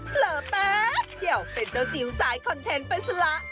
เผลอแป๊บเดียวเป็นเจ้าจิ๋วสายคอนเทนต์ไปซะละ